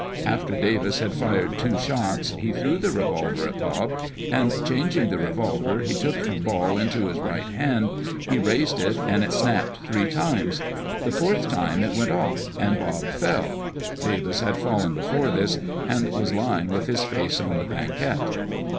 After Davis had fired two shots, he threw the revolver at Bob, and changing the revolver he took from Ball into his right hand, he raised it, and it snapped three times ; the fourth time it went off, and Bob fell (Davis had fallen before this, and was lying with his face on the banquette).